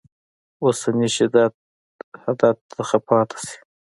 اوسني شدت حدت څخه پاتې شي.